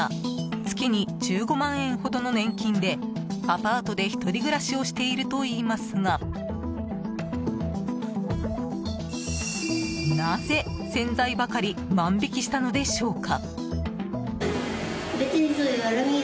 月に１５万円ほどの年金でアパートで１人暮らしをしているといいますがなぜ、洗剤ばかり万引きしたのでしょうか？